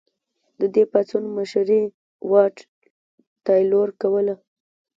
د دې پاڅون مشري واټ تایلور کوله.